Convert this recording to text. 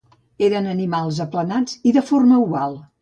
Eren animals aplanats i de forma oval.